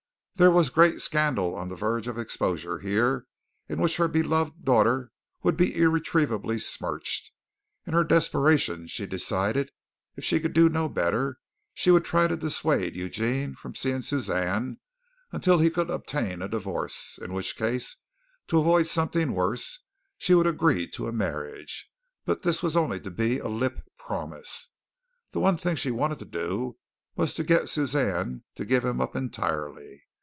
There was great scandal on the verge of exposure here in which her beloved daughter would be irretrievably smirched. In her desperation, she decided, if she could do no better, she would try to dissuade Eugene from seeing Suzanne until he could obtain a divorce, in which case, to avoid something worse, she would agree to a marriage, but this was only to be a lip promise. The one thing she wanted to do was to get Suzanne to give him up entirely.